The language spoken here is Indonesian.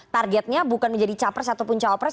targetnya bukan menjadi capres ataupun cawapres